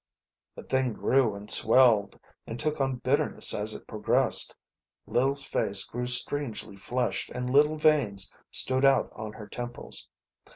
The thing grew and swelled and took on bitterness as it progressed. Lil's face grew strangely flushed and little veins stood out on her temples.